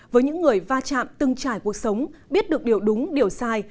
với những người va chạm từng trải cuộc sống biết được điều đúng điều sai